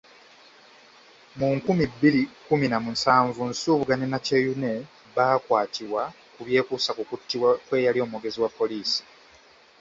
Mu nkumi bbiri kumina musanvu, Nsubuga ne Nakyeyune baakwatibwa ku byekuusa kukuttibwa kweyali omwogezi wa Poliisi.